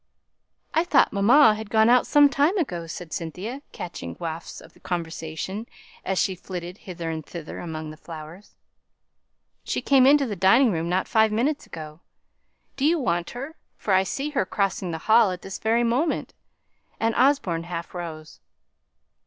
"I thought mamma had gone out some time ago!" said Cynthia, catching wafts of the conversation as she flitted hither and thither among the flowers. "She came into the dining room not five minutes ago. Do you want her, for I see her crossing the hall at this very moment?" and Osborne half rose.